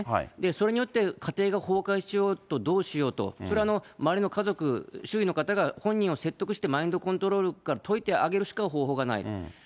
それによって家庭が崩壊しようとどうしようと、それは周りの家族、周囲の方が本人を説得して、マインドコントロールから解いてあげるしか方法がない。